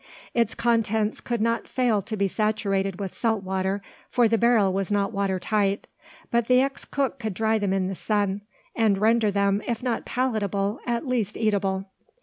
Its contents could not fail to be saturated with salt water, for the barrel was not water tight; but the ex cook could dry them in the sun, and render them, if not palatable, at least eatable.